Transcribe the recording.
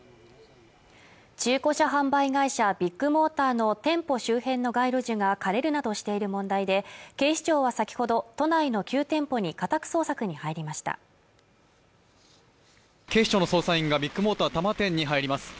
中古車販売会社ビッグモーターの店舗周辺の街路樹が枯れるなどしている問題で警視庁は先ほど都内の９店舗に家宅捜索に入りました警視庁の捜査員がビッグモーター多摩店に入ります